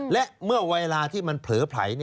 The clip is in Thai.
และเมื่อเวลาที่มันเผลอไผล